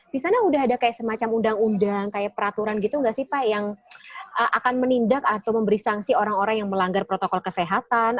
di sana udah ada kayak semacam undang undang kayak peraturan gitu nggak sih pak yang akan menindak atau memberi sanksi orang orang yang melanggar protokol kesehatan